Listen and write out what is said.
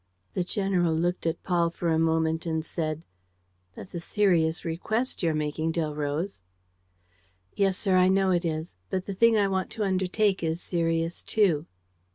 The general looked at Paul for a moment, and said: "That's a serious request you're making, Delroze." "Yes, sir, I know it is. But the thing I want to undertake is serious too."